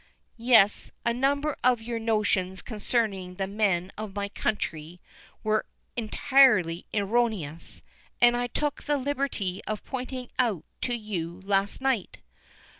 "Yes, a number of your notions concerning the men of my country were entirely erroneous, as I took the liberty of pointing out to you last night."